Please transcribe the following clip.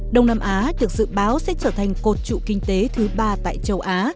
đông nam á được dự báo sẽ trở thành cột trụ kinh tế thứ ba tại châu á